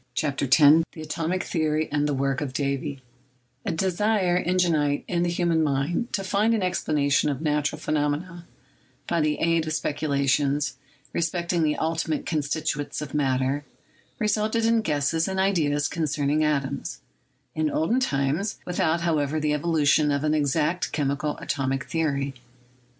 CHAPTER X TJSE ATOMIC THEORY AND THE WORK OF DAVY A desire ingenite in the human mind to find an explana tion of natural phenomena, by the aid of speculations re specting the ultimate constituents of matter, resulted in guesses and ideas concerning atoms, in olden times, with out, however, the evolution of an exact chemical atomic theory.